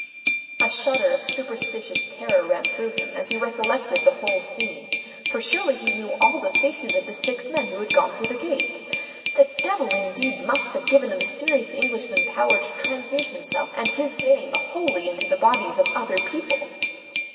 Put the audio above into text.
A shudder of superstitious terror ran through him as he recollected the whole scene: for surely he knew all the faces of the six men who had gone through the gate. The devil indeed must have given the mysterious Englishman power to transmute himself and his gang wholly into the bodies of other people.